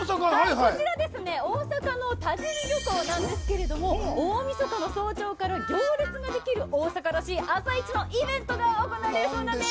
こちら大阪の田尻漁港なんですけど大みそかの早朝から行列ができる大阪らしい朝市のイベントがあるそうなんです。